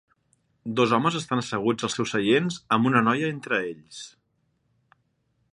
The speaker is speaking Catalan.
Dos homes estan asseguts als seus seients amb una noia entre ells.